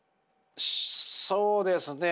そうですね。